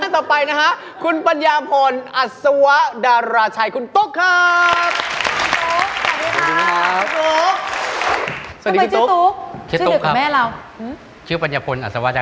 ทีมือเท่าไหร่จะขายน้ำส้มครับ